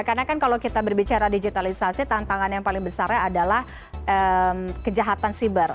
karena kan kalau kita berbicara digitalisasi tantangan yang paling besarnya adalah kejahatan siber